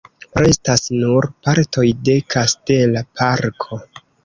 Restas nur partoj de kastela parko.